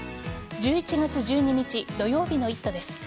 １１月１２日土曜日の「イット！」です。